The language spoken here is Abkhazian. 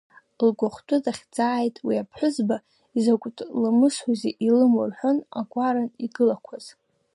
Лгәахәтәы дахьӡааит, уи аԥҳәызба, изакәтә ламысузеи илымоу рҳәон агәаран игылақәаз.